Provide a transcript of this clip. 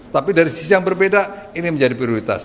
tapi dari sisi yang berbeda ini menjadi prioritas